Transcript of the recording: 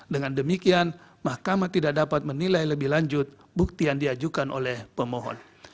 dengan demikian mahkamah tidak dapat menilai lebih lanjut bukti yang diajukan oleh pemohon